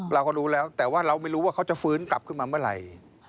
เราก็รู้แล้วแต่ว่าเราไม่รู้ว่าเขาจะฟื้นกลับขึ้นมาเมื่อไหร่